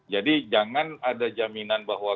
jadi jangan ada jaminan bahwa